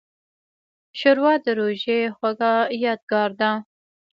ښوروا د روژې خوږه یادګار ده.